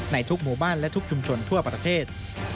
ในทุกหมู่บ้านและทุกชุมชนทั่วประเทศ